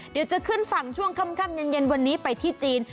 เดี๋ยวจะขึ้นฝั่งช่วงค่ำเย็นวันนี้ไปที่จีน